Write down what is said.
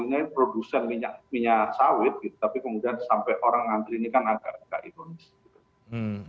ini produsen minyak sawit gitu tapi kemudian sampai orang ngantri ini kan agak nggak ikonis gitu